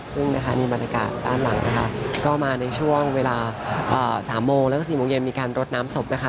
ซึ่งนะคะนี่บรรยากาศด้านหลังนะคะก็มาในช่วงเวลา๓โมงแล้วก็๔โมงเย็นมีการรดน้ำศพนะคะ